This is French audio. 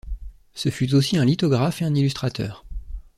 Ce fut aussi un lithographe et un illustrateur.